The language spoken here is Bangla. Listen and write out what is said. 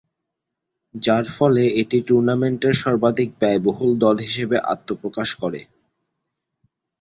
যার ফলে এটি টুর্নামেন্টের সর্বাধিক ব্যয়বহুল দল হিসেবে আত্মপ্রকাশ করে।